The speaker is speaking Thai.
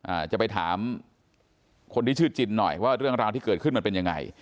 อาจจะไปถามคนที่ชื่อจินหน่อยว่าเรื่องราวที่เกิดขึ้นมันเป็นยังไง